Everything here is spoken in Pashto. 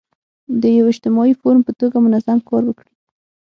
د یو اجتماعي فورم په توګه منظم کار وکړي.